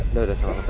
udah udah sama sama